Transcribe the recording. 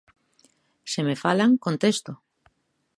Se me falan, contesto.